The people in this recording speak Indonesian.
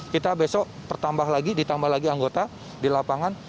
kita besok bertambah lagi ditambah lagi anggota di lapangan